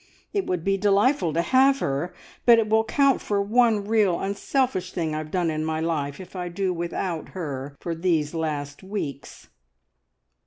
It would be delightful to have her, but it will count for one real unselfish thing I've done in my life if I do without her for these last weeks."